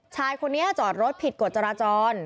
ชายคนนี้จอดรถผิดกฎจราจร